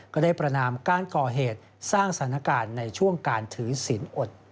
ก็ได้ประนามการก่อเหตุสร้างสถานการณ์ในช่วงการถือศีลอด